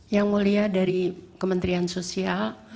yang mulia dari kementerian sosial